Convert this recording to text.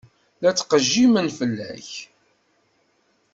La ttqejjimen fell-ak.